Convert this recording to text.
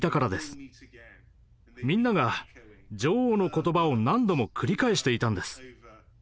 みんなが女王の言葉を何度も繰り返していたんです。